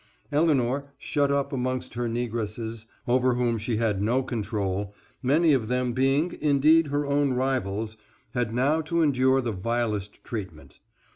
Elinor, shut up amongst her Negresses, over whom she had no control many of them being, indeed, her own rivals had now to endure the vilest treatment.